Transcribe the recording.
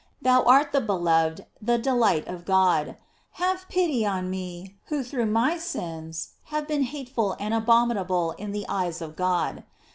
Thou art the beloved, the delight of God; have pity on me, who through my sins have been hateful and abominable in the eyes of God.